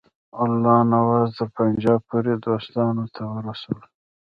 الله نواز تر پنجاب پوري دوستانو ته ورسول.